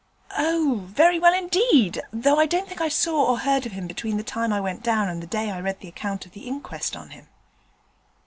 'Oh, very well indeed, though I don't think I saw or heard anything of him between the time I went down and the day I read the account of the inquest on him.'